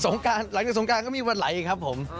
หลังจากสงการก็มีวันไหลครับผม